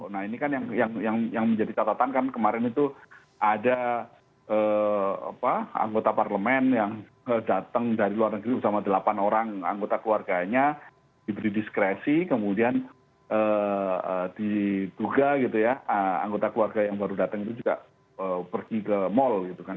nah ini kan yang menjadi catatan kan kemarin itu ada anggota parlemen yang datang dari luar negeri bersama delapan orang anggota keluarganya diberi diskresi kemudian diduga gitu ya anggota keluarga yang baru datang itu juga pergi ke mall gitu kan